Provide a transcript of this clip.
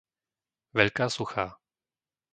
Veľká Suchá